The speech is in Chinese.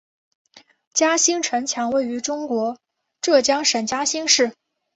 嘉兴城墙位于中国浙江省嘉兴市。